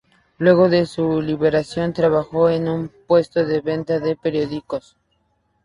Luego de su liberación trabajó en un puesto de venta de periódicos.